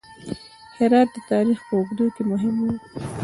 هرات د تاریخ په اوږدو کې مهم و